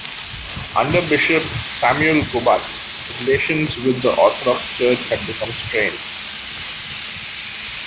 Under Bishop Samuel Gobat, relations with the Orthodox Church had become strained.